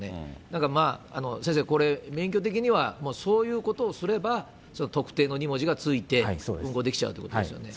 だからまあ、先生これ、免許的にはそういうことをすれば、特定の２文字がついて、運航できちゃうということですよね。